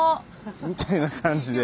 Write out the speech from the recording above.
みたいな感じで。